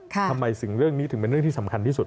ทำไมสิ่งเรื่องนี้ถึงเป็นเรื่องที่สำคัญที่สุด